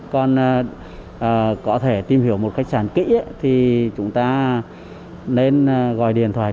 còn có thể tìm hiểu một khách sạn kỹ thì chúng ta nên gọi điện thoại